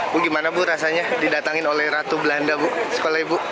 bu gimana bu rasanya didatangin oleh ratu belanda sekolah ya bu